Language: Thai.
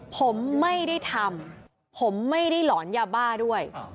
ผมไม่ได้ทำผมไม่ได้หลอนยาบ้าด้วย